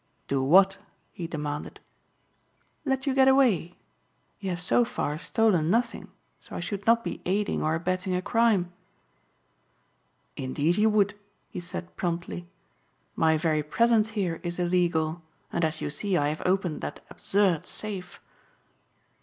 "Do what?" he demanded. "Let you get away. You have so far stolen nothing so I should not be aiding or abetting a crime." "Indeed you would," he said promptly. "My very presence here is illegal and as you see I have opened that absurd safe."